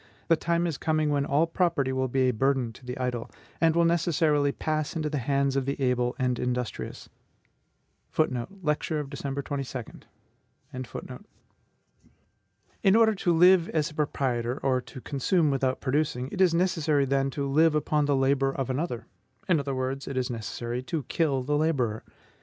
The time is coming when all property will be a burden to the idle, and will necessarily pass into the hands of the able and industrious. ..." In order to live as a proprietor, or to consume without producing, it is necessary, then, to live upon the labor of another; in other words, it is necessary to kill the laborer.